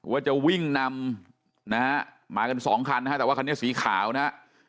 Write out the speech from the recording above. ว่าจะวิ่งนำนะฮะมากันสองคันนะฮะแต่ว่าคันนี้สีขาวนะฮะ